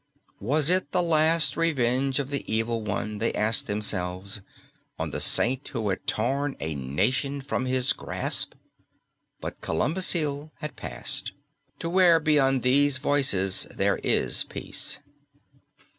Was it the last revenge of the evil one, they asked themselves, on the Saint who had torn a nation from his grasp? But Columbcille had passed To where beyond these voices there is peace.